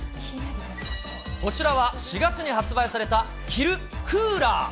こちらは４月に発売された、着るクーラー。